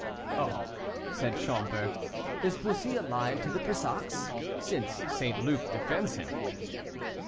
"Oh!" said Schomberg, "is Bussy allied to the Brissacs? since St. Luc defends him."